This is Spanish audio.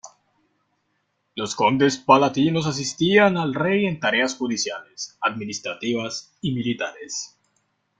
Los condes palatinos asistían al rey en tareas judiciales, administrativas y militares.